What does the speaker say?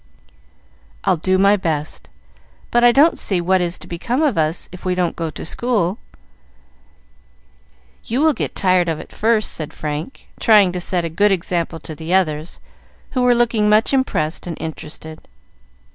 "I'll do my best; but I don't see what is to become of us if we don't go to school. You will get tired of it first," said Frank, trying to set a good example to the others, who were looking much impressed and interested.